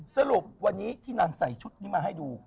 สรุปวันนี้ที่นางใส่ชุดนี้มาให้ดู